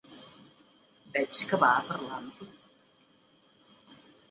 Veig que va a parlar amb tu.